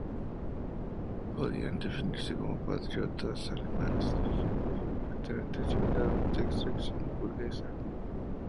Podían definirse como patriotas alemanes de origen judío perfectamente asimilados y de extracción burguesa.